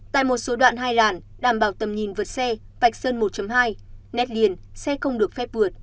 tại một số đoạn hai làn đảm bảo tầm nhìn vượt xe vạch sơn một hai nét liền xe không được phép vượt